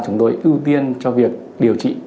chúng tôi ưu tiên cho việc điều trị